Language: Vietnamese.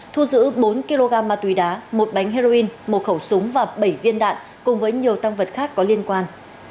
thu giữ bốn kg ma túy đá một bánh heroin một khẩu súng và bảy viên đạn cùng với nhiều tăng vật khác có liên quan